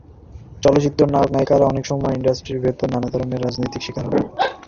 চলচ্চিত্রের নায়ক নায়িকারা অনেক সময় ইন্ডাস্ট্রির ভেতর নানা ধরনের রাজনীতির শিকার হন।